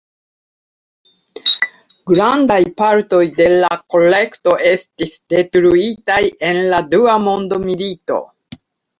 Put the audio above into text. Grandaj partoj de la kolekto estis detruitaj en la dua mondmilito.